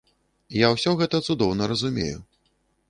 Я ўсе гэта цудоўна разумею.